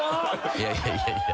いやいやいやいや。